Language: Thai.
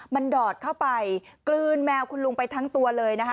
มันดอดเข้าไปกลืนแมวคุณลุงไปทั้งตัวเลยนะคะ